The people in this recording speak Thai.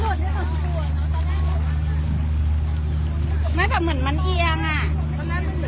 ขอบคุณครับ